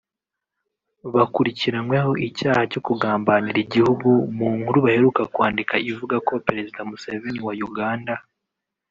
bakurikiranyweho icyaha cyo kugambanira igihugu mu nkuru baheruka kwandika ivuga ko Perezida Museveni wa Uganda